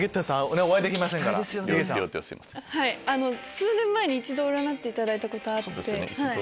数年前に一度占っていただいたことあって。